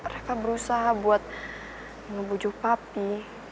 reva berusaha buat ngebujuh papi